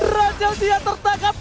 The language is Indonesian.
raja dia tertangkap